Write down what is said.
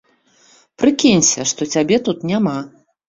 Прыкінься, што цябе тут няма.